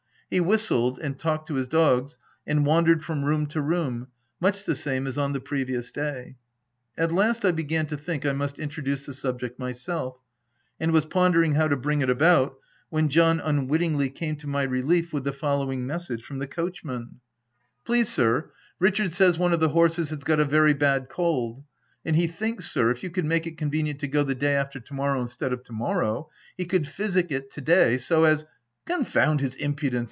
He whistled, and talked to his dogs, and wandered from room to room, much the same as on the previous day. At last I began to think I must introduce the subject myself, and was pondering how to bring it about, when John unwittingly came to my relief with the following message from the coachman. 94 THE TENANT " Please sir, Richard says one of the horses has got a very bad cold, and he thinks, sir, if you could make it convenient to go the day after to morrow, instead of to morrow, he could physic it to day so as —"" Confound his impudence